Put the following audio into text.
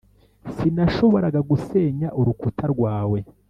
sinashoboraga gusenya urukuta rwawe.